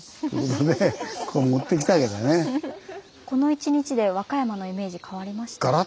この一日で和歌山のイメージ変わりました。